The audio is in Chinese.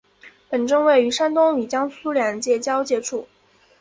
本镇位于山东与江苏两省交界处。